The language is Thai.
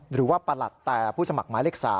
หรือว่าประหลัดแต่ผู้สมัครไม้เล็ก๓